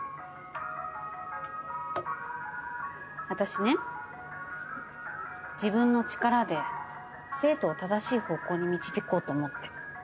私ね自分の力で生徒を正しい方向に導こうと思って。